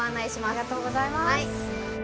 ありがとうございます。